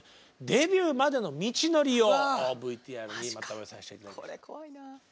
デビューまでの道のりをＶＴＲにまとめさせて頂きました。